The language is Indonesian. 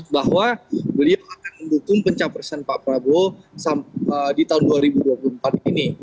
bahwa beliau akan mendukung pencapresan pak prabowo di tahun dua ribu dua puluh empat ini